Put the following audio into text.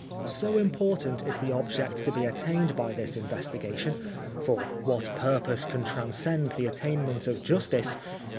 So important is the object to be attained by this investigation — for what purpose can tran scend the attainment of justice